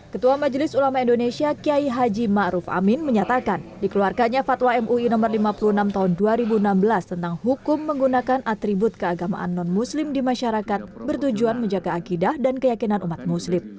ketua majelis ulama indonesia kiai haji ⁇ maruf ⁇ amin menyatakan dikeluarkannya fatwa mui no lima puluh enam tahun dua ribu enam belas tentang hukum menggunakan atribut keagamaan non muslim di masyarakat bertujuan menjaga akidah dan keyakinan umat muslim